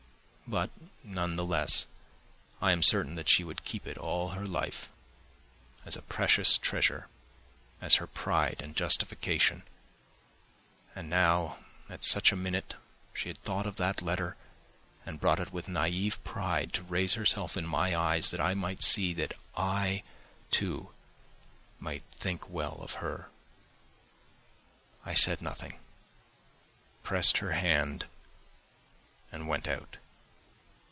But none the less, I am certain that she would keep it all her life as a precious treasure, as her pride and justification, and now at such a minute she had thought of that letter and brought it with naive pride to raise herself in my eyes that I might see, that I, too, might think well of her. I said nothing, pressed her hand and went out.